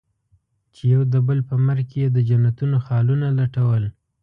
چې يو د بل په مرګ کې يې د جنتونو خالونه لټول.